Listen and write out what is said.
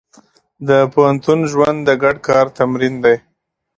د پوهنتون ژوند د ګډ کار تمرین دی.